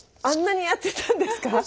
あんなにやってたんですか？